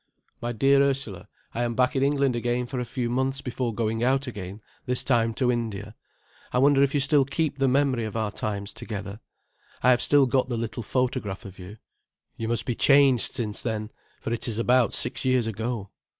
My dear Ursula, I am back in England again for a few months before going out again, this time to India. I wonder if you still keep the memory of our times together. I have still got the little photograph of you. You must be changed since then, for it is about six years ago.